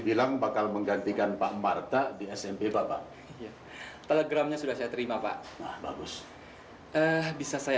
bilang bakal menggantikan pak marta di smp bapak telegramnya sudah saya terima pak nah bagus eh bisa saya